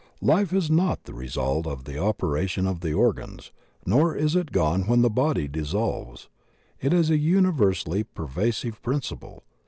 Life is not the result of the operation of the organs, nor is it gone when the body dissolves. It is a uni versally pervasive principle.